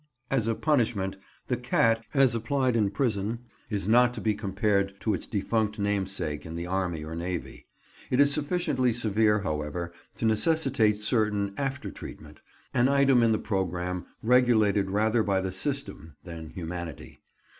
As a punishment, the cat, as applied in prisons, is not to be compared to its defunct namesake in the army or navy. It is sufficiently severe, however, to necessitate certain after treatment—an item in the programme regulated rather by the "system" than humanity.